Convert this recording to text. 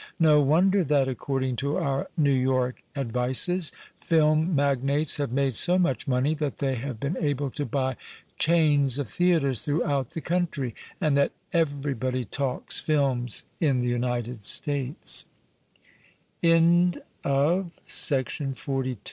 No wonder that, according to our New York advices, " film magnates have made so much money that they have been able to buy chains of theatres throughout the country," and that " everybody talks films in the Un